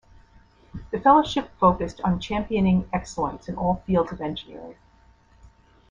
The Fellowship focused on championing excellence in all fields of engineering.